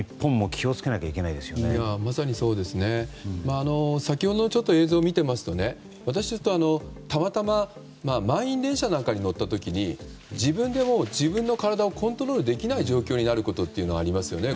ちょっと先ほどの映像を見ていますと私、たまたま満員電車なんかに乗った時に自分で自分の体をコントロールできない状況になることがありますね。